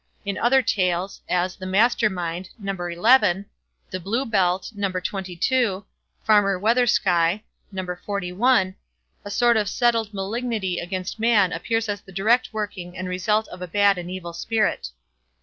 In other tales, as "The Mastermaid", No. xi, "The Blue Belt", No. xxii, "Farmer Weathersky", No. xli, a sort of settled malignity against man appears as the direct working and result of a bad and evil spirit.